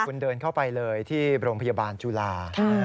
คุณเดินเข้าไปเลยที่โรงพยาบาลจุฬา